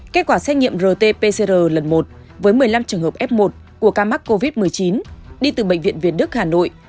kết quả xét nghiệm rt pcr lần một với một mươi năm trường hợp f một của ca mắc covid một mươi chín đi từ bệnh viện việt đức hà nội